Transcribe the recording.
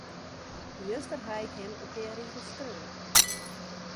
Juster haw ik him in pear rigels skreaun.